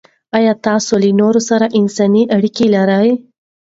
آیا تاسې له نورو سره انساني اړیکې لرئ؟